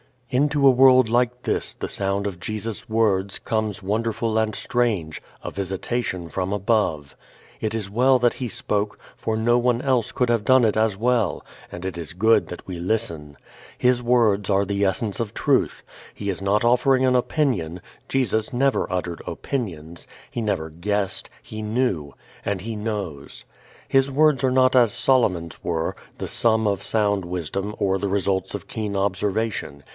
Into a world like this the sound of Jesus' words comes wonderful and strange, a visitation from above. It is well that He spoke, for no one else could have done it as well; and it is good that we listen. His words are the essence of truth. He is not offering an opinion; Jesus never uttered opinions. He never guessed; He knew, and He knows. His words are not as Solomon's were, the sum of sound wisdom or the results of keen observation.